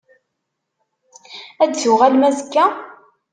Ad d-tuɣalem azekka?